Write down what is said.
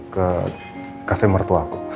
ke cafe mertua aku